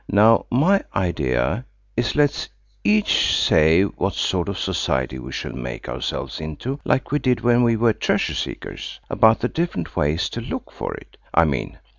Now my idea is let's each say what sort of a society we shall make ourselves into–like we did when we were Treasure Seekers–about the different ways to look for it, I mean.